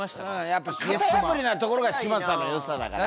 やっぱ型破りなところが嶋佐の良さだから。